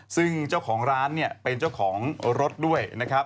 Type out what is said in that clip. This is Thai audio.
ซึ่งเจ้าของร้านเป็นเจ้าของรถด้วย